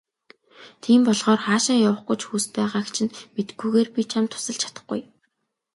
Тийм болохоор хаашаа явах гэж хүс байгааг чинь мэдэхгүйгээр би чамд тусалж чадахгүй.